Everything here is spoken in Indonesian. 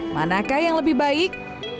manakah yang lebih baik